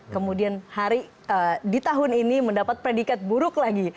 kemudian hari di tahun ini mendapat predikat buruk lagi